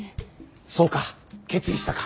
そうか決意したか。